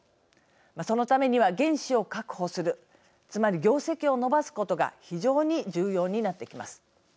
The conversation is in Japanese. そのためには、原資を確保するつまり、業績を伸ばすことが非常に重要になってきます。